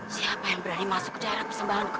siapa yang berani masuk ke daerah persembahanko